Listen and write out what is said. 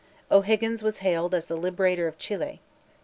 O'Higgins was hailed as the Liberator of Chili.